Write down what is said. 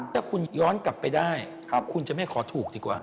ถ้าคุณย้อนกลับไปได้คุณจะไม่ขอถูกดีกว่า